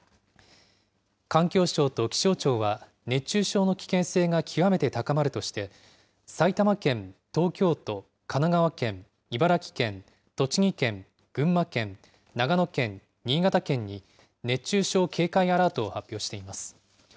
環境省と気象庁は、熱中症の危険性が極めて高まるとして、埼玉県、東京都、神奈川県、茨城県、栃木県、群馬県、長野県、新潟県に熱中症警戒アラートを発表しています。